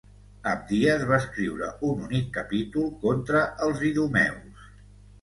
Abdies va escriure un únic capítol contra els idumeus.